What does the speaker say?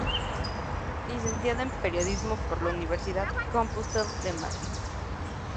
Licenciada en Periodismo por la Universidad Complutense de Madrid.